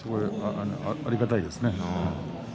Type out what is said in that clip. ありがたいですね。